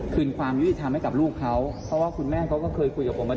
คุณแม่ก็เคยคุยกับผมเพราะว่า